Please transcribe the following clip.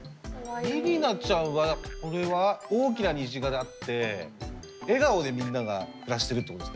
りりなちゃんはこれは大きな虹があって笑顔でみんなが暮らしてるってことですね。